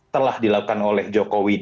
telah dilakukan oleh jokowisme